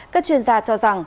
các chuyên gia cho rằng